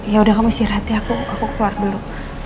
yaudah kamu istirahat ya aku keluar dulu